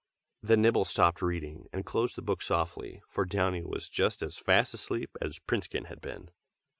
'" Then Nibble stopped reading, and closed the book softly, for Downy was just as fast asleep as Princekin had been.